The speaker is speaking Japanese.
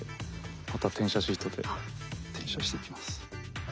あとは転写シートで転写していきます。